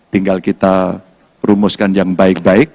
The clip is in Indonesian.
tinggal kita rumuskan yang baik baik